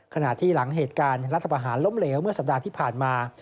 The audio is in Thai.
ขณะที่หลังเหตุการณ์รัฐบาหารล้มเหลวเมื่อสัปดาห์ที่ผ่านมา